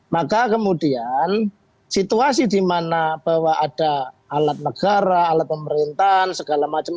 maka kemudian situasi di mana bahwa ada alat negara alat pemerintahan segala macam